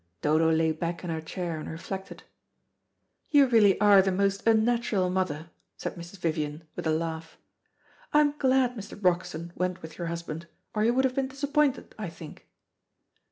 Dodo lay back in her chair and reflected. "You really are the most unnatural mother," said Mrs. Vivian, with a laugh. "I am glad Mr. Broxton went with your husband, or he would have been disappointed, I think."